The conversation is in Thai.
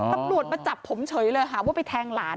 ตำรวจมาจับผมเฉยเลยหาว่าไปแทงหลาน